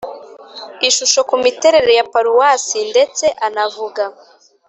ishusho ku miterere ya paruwasi ndetse anavuga